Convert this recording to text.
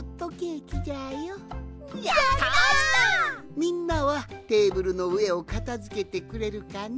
みんなはテーブルのうえをかたづけてくれるかのう？